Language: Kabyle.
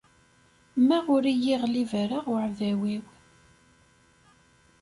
Ma ur iyi-iɣlib ara uɛdaw-iw.